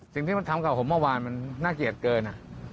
สิ่งที่มันทำกับผมเมื่อวานมันน่าเกลียดเกิน